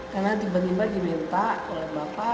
karena tiba tiba diminta oleh bapak